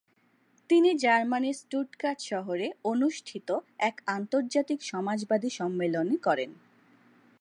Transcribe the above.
তিনি জার্মানির স্টুটগার্ট শহরে অনুষ্ঠিত এক আন্তর্জাতিক সমাজবাদী সম্মেলনে করেন।